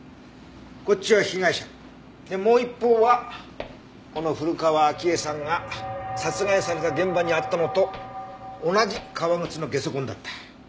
こっちは被害者でもう一方はこの古河章江さんが殺害された現場にあったのと同じ革靴のゲソ痕だった。